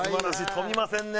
飛びませんね。